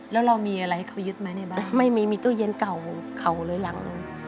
แล้วเรามีอะไรให้เขายึดไหมในบ้านไม่มีมีตู้เย็นเก่าเก่าเลยหลัง